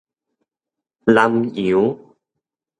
南洋 𩸙 仔